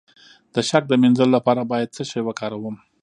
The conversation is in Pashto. د شک د مینځلو لپاره باید څه شی وکاروم؟